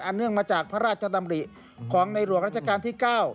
เนื่องมาจากพระราชดำริของในหลวงราชการที่๙